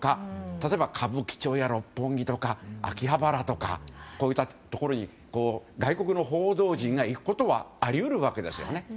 例えば歌舞伎町や六本木とか秋葉原とか、こういうところに外国の報道陣が行くことはあり得るわけですよね。